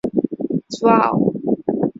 与济南樱花日语学校联合招收赴日学生。